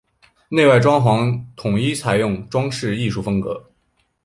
内外装潢统一采用装饰艺术风格。